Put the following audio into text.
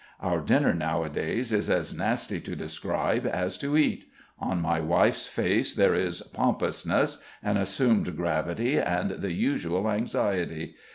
Our dinner nowadays is as nasty to describe as to eat. On my wife's face there is pompousness, an assumed gravity, and the usual anxiety.